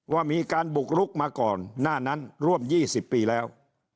ว่ามีการบุกรุกมาก่อนหน้านั้นร่วม๒๐ปีแล้ว